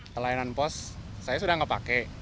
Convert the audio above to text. pelayanan pos saya sudah nggak pakai